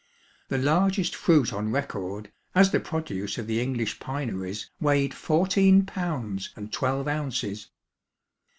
The largest fruit on record, as the produce of the English pineries, weighed fourteen pounds and twelve ounces.